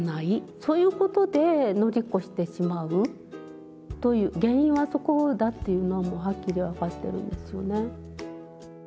そういうことで乗り越してしまうという原因はそこだっていうのはもうはっきり分かってるんですよね。